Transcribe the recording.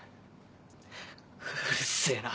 うるせえな。